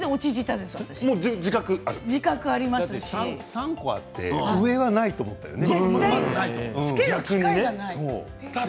３個あって上は絶対ないと思ったよね。